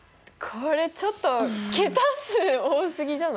これちょっと桁数多すぎじゃない？